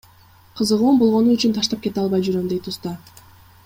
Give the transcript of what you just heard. Кызыгуум болгону үчүн таштап кете албай жүрөм, — дейт уста.